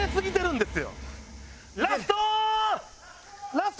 ラスト！